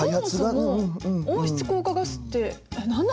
そもそも温室効果ガスって何なんですか？